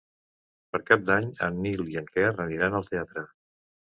Per Cap d'Any en Nil i en Quer aniran al teatre.